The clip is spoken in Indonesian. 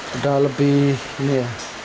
sudah lebih ini ya